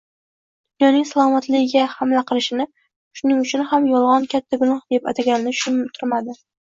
dunyoning salomatligiga hamla qilishini, shuning uchun ham yolg‘on katta gunoh deb atalganini tushuntirmadi.